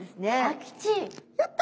やった！